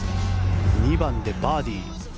２番でバーディー。